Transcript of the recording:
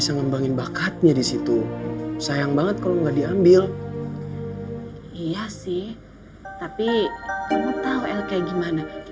sahabat itu enggak akan pernah pudar